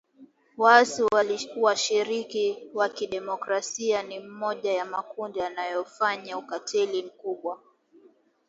Waasi washirika wakidemokrasia ni mmoja ya makundi yanayofanya ukatili mkubwa